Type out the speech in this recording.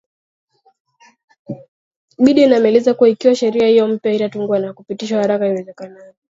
biden ameeleza kuwa ikiwa sheria hiyo mpya haitatungwa na kupitishwa haraka iwezekanavyo